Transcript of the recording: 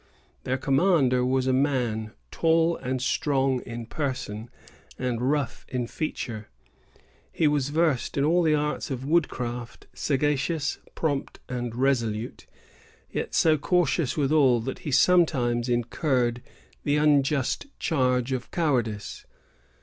Their commander was a man tall and strong in person, and rough in feature. He was versed in all the arts of woodcraft, sagacious, prompt, and resolute, yet so cautious withal that he sometimes incurred the unjust charge of cowardice.